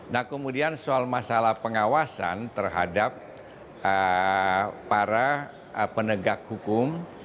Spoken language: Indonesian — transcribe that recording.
nah kemudian soal masalah pengawasan terhadap para penegak hukum